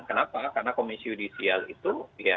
kenapa karena komisi judisial itu